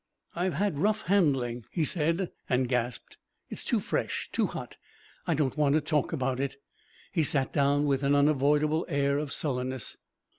"I've had rough handling," he said, and gasped. "It's too fresh too hot. I don't want to talk about it." He sat down with an unavoidable air of sullenness.